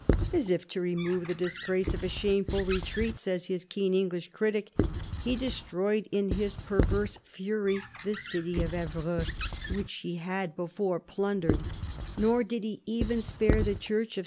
" As if to remove the disgrace of a shameful retreat," says his keen English critic, " he destroyed in his perverse fury the city of Evreux, which he had before plundered ; nor 58 PHILIP AUGUSTUS chap. did he even spare the church of S.